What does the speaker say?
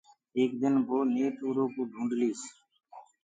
ايڪ دن وو نيٺ اُرو ڪوُ هآت ڪرليس۔